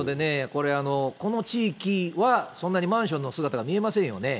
ですのでね、これ、この地域はそんなにマンションの姿が見えませんよね。